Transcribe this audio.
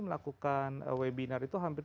melakukan webinar itu hampir